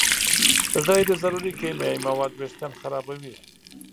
غیر ضروري کیمیاوي مواد وېښتيان خرابوي.